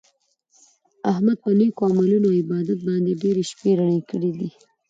احمد په نېکو عملونو او عبادت باندې ډېرې شپې رڼې کړي دي.